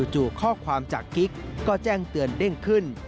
จู่ข้อความจากกิ๊กก็แจ้งเตือนเด้งขึ้น